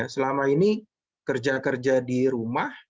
selama ini kerja kerja di rumah